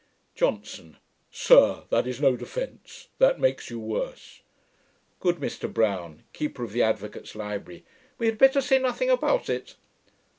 JOHNSON. 'Sir, that is no defence: that makes you worse.' Good MR BROWN, Keeper of the Advocates Library. 'We had better say nothing about it.'